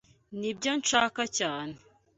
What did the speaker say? Nibyo nshaka cyane.